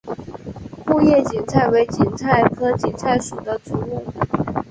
库页堇菜为堇菜科堇菜属的植物。